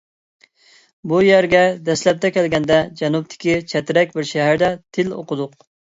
بۇ يەرگە دەسلەپتە كەلگەندە جەنۇبتىكى چەترەك بىر شەھەردە تىل ئوقۇدۇق.